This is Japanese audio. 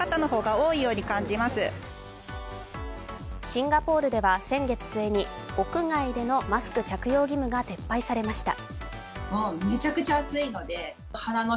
シンガポールでは先月末に屋外でのマスク着用義務が撤廃されました。